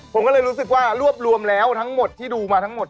ผมก็เลยรู้สึกว่ารวบรวมแล้วทั้งหมดที่ดูมาทั้งหมด